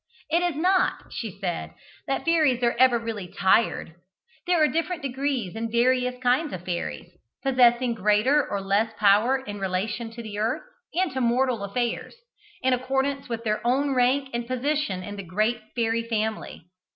It is not, she said, that fairies are ever really tired: there are different degrees and various kinds of fairies, possessing greater or less power in relation to the earth and to mortal affairs, in accordance with their own rank and position in the great fairy family.